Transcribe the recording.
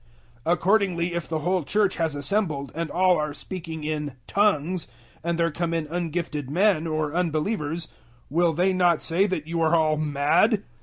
014:023 Accordingly if the whole Church has assembled and all are speaking in `tongues,' and there come in ungifted men, or unbelievers, will they not say that you are all mad?